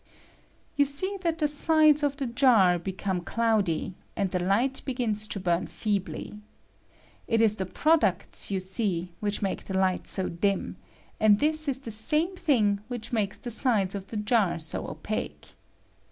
You see that the sides f the jar become cloudy, and the light begins I to burn feebly. It ia the products, you see, I which make the light so dim, and this is the I same thing which makes the sides of the jar so [■opaque.